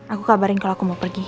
aku kabarin kalau aku mau pergi